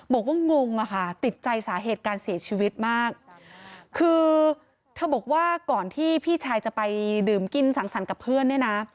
งงอะค่ะติดใจสาเหตุการเสียชีวิตมากคือเธอบอกว่าก่อนที่พี่ชายจะไปดื่มกินสังสรรค์กับเพื่อนเนี่ยนะ